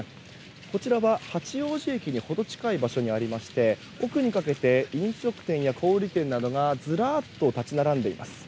こちらは八王子駅に程近い場所にありまして奥にかけて飲食店や小売店などがずらっと立ち並んでいます。